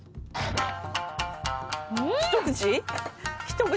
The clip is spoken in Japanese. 一口？